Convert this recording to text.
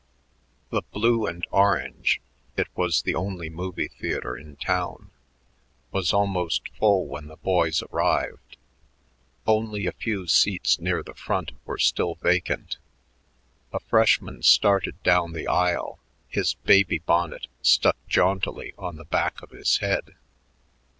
The Blue and Orange it was the only movie theater in town was almost full when the boys arrived. Only a few seats near the front were still vacant. A freshman started down the aisle, his "baby bonnet" stuck jauntily on the back of his head.